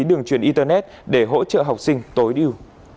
đường truyền internet để hỗ trợ học sinh tối điều